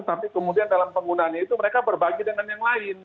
tapi kemudian dalam penggunaannya itu mereka berbagi dengan yang lain